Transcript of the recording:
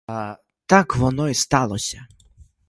Та так воно й сталося.